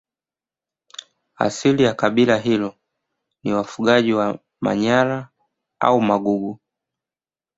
Asili ya kabila hilo ni wafugaji wa Manyara au Magugu